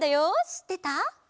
しってた？